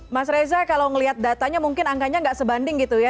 mas reza kalau melihat datanya mungkin angkanya nggak sebanding gitu ya